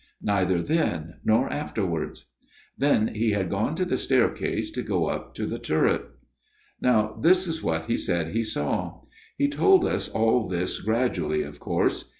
Neither then nor afterwards. Then he had gone to the staircase to go up to the turret. " Now, this is what he said he saw he told us all this gradually, of course.